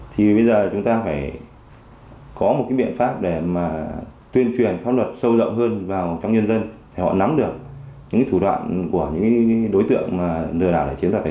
thì bây giờ chúng ta phải có một cái biện pháp để mà tuyên truyền pháp luật sâu rộng hơn vào trong nhân dân để họ nắm được những thủ đoạn của những đối tượng lừa đảo